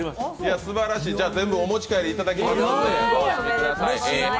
すばらしい、全部お持ち帰りいただけますので。